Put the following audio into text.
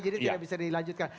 jadi tidak bisa dilanjutkan